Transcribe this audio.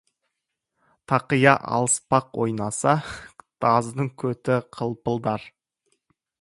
Тақия алыспақ ойнаса, таздың көті қылпылдар.